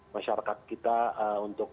masyarakat kita untuk